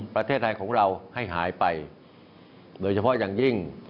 ประเทศไทยของเราให้หายไปโดยเฉพาะอย่างยิ่ง